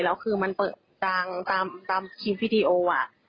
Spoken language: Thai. แล้วคือมันเปิดดังตามคลิปวิดีโอ